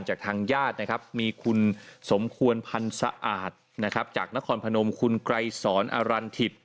จากทางญาตินะครับมีคุณสมควรพันธ์สะอาดนะครับจากนครพนมคุณไกรสอนอรันถิต